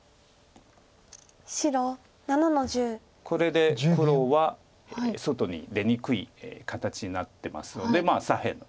これで黒は外に出にくい形になってますので左辺